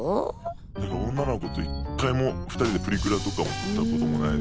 だから女の子と一回も２人でプリクラとかも撮ったこともないですし。